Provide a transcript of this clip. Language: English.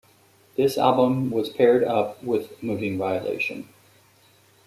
This album was paired up with "Moving Violation".